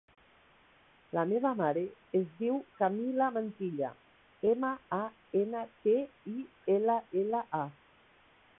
La meva mare es diu Camila Mantilla: ema, a, ena, te, i, ela, ela, a.